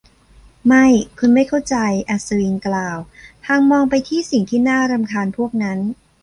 ไม่ คุณไม่เข้าใจ อัศวินกล่าว พลางมองไปที่สิ่งที่น่ารำคาญเพวกนั้น